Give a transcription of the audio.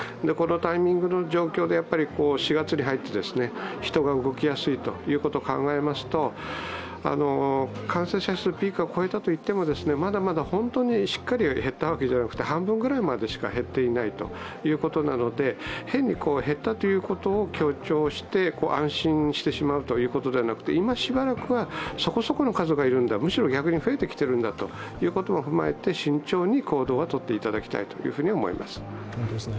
このタイミングの状況で４月に入って人が動きやすいということを考えますと、感染者数ピークは超えたといってもまだまだ本当にしっかり減ったわけじゃなくて半分くらいまでしか減っていないということなので変に減ったということを強調して安心してしまうということではなくて今しばらくはそこそこの数がいるんだ、むしろ逆に増えてきてるんだということを踏まえて慎重に行動をとってほしいと思います。